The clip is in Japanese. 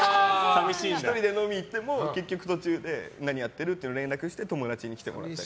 １人で飲みに行っても結局、途中で何やってる？って連絡して友達に来てもらったり。